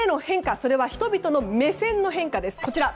それは人々の目線の変化。